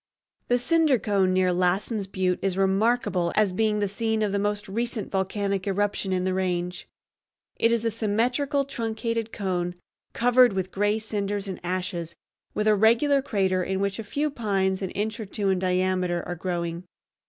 The Cinder Cone near Lassen's Butte is remarkable as being the scene of the most recent volcanic eruption in the range. It is a symmetrical truncated cone covered with gray cinders and ashes, with a regular crater in which a few pines an inch or two in diameter are growing.